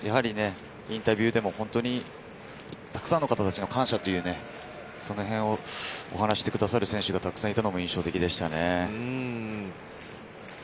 インタビューでもたくさんの方たちに感謝という、そのへんをお話してくださる選手がたくさんいたのも印象的でしたね。